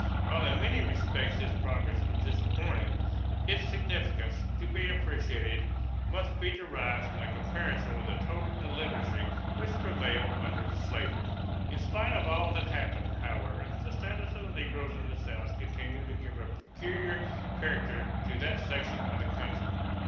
While in many respects this progress was disappointing, its significance, to be appreciated, must be derived from a comparison with the total illiteracy which prevailed under slavery. In spite of all that happened, however, the status of the negroes in the South continued to give a peculiar character to that section of the country.